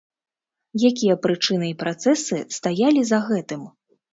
Якія прычыны і працэсы стаялі за гэтым?